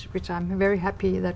khi chúng tôi kết thúc